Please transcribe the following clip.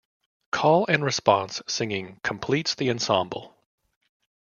Call-and-response singing completes the ensemble.